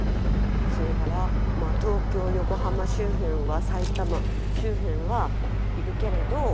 それから東京横浜周辺埼玉周辺はいくけれど。